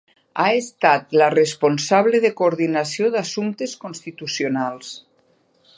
Ha estat la responsable de coordinació d’assumptes constitucionals.